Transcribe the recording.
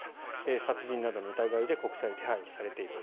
殺人などの疑いで国際手配をされています。